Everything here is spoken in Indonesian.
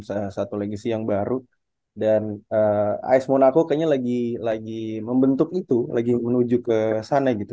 salah satu lagi siang baru dan as monaco kayaknya lagi lagi membentuk itu lagi menuju ke sana gitu